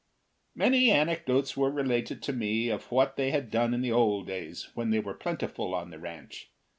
Many anecdotes were related to me of what they had done in the old days when they were plentiful on the ranch.